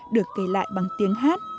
được kể lại bằng tiếng hát